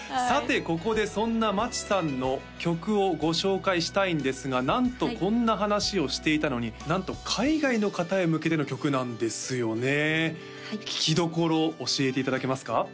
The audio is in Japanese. さてここでそんな町さんの曲をご紹介したいんですがなんとこんな話をしていたのになんと海外の方へ向けての曲なんですよね聴きどころ教えていただけますか？